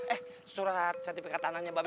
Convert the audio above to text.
eh surat sertifikat tanahnya mbak be